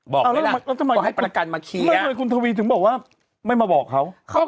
บอกแล้วล่ะก็ให้ประกันมาเคลียร์ทำไมคุณทวีถึงบอกว่าไม่มาบอกเขา